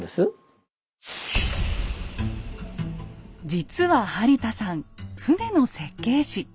実は播田さん船の設計士。